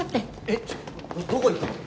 えっどこ行くの？